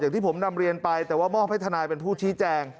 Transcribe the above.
ที่ผมนำเรียนไปแต่ว่ามอบให้ทนายเป็นผู้ชี้แจง